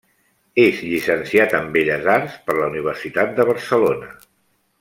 És llicenciat en belles arts per la Universitat de Barcelona.